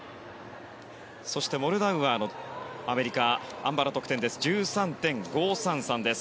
そして、モルダウアーアメリカ、あん馬の得点１３．５３３です。